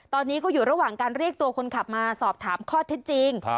ตอนนี้ก็อยู่ระหว่างการเรียกตัวคนขับมาสอบถามข้อเท็จจริง